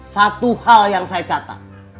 satu hal yang saya catat